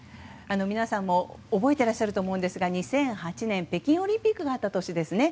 皆さんも覚えていらっしゃると思うんですが２００８年、北京オリンピックがあった年ですね。